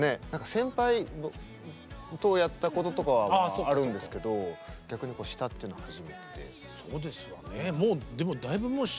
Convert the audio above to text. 先輩とやったこととかはあるんですけど逆に下っていうのは初めてで。